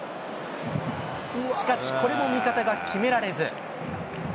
しかしこれも味方が決められず。